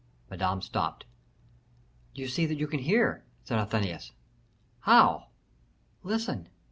Madame stopped. "You see that you can hear," said Athenais. "How?" "Listen."